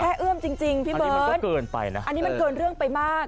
แพ้เอื้อมจริงพี่เบิร์นอันนี้มันเกินเรื่องไปมาก